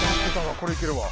これいけたわ。